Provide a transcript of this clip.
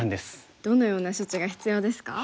どのような処置が必要ですか？